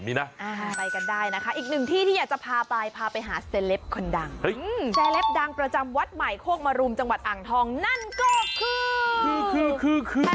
อีกหนึ่งที่ที่อยากจะพาไปพาไปหาเซล็ปคนดังเซล็ปดังประจำวัดใหม่โฆกมารุมจังหวัดอ่างทองนั่นก็คือ